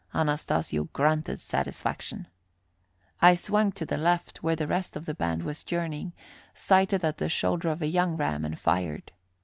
Anastasio grunted satisfaction. I swung to the left, where the rest of the band was journeying, sighted at the shoulder of a young ram and fired.